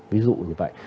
ví dụ như vậy